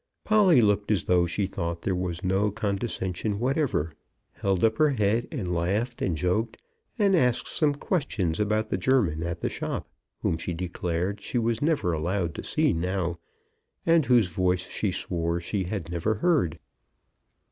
Polly looked as though she thought there was no condescension whatever, held up her head, and laughed and joked, and asked some questions about the German at the shop, whom she declared she was never allowed to see now, and whose voice she swore she had never heard.